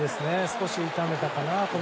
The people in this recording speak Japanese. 少し痛めたかなと。